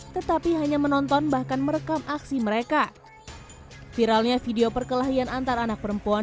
tetapi hanya menonton bahkan merekam aksi mereka viralnya video perkelahian antar anak perempuan